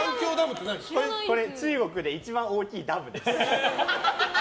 中国で一番大きいダムです。